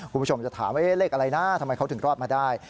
คุณผู้ชมจะถามว่าเลขอะไรนะทำไมเขาถึงรอดมาได้